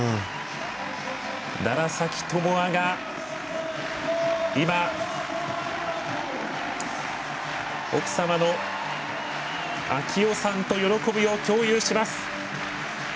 楢崎智亜が今、奥様の啓代さんと喜びを共有します。